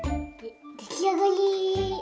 できあがり！